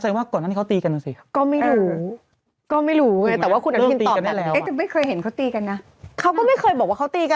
เขาลากตัวทุกปัญหาเลยนะ